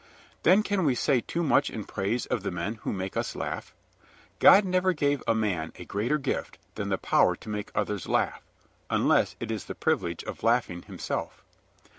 Then can we say too much in praise of the men who make us laugh? God never gave a man a greater gift than the power to make others laugh, unless it is the privilege of laughing himself.